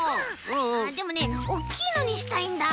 ああでもねおっきいのにしたいんだ。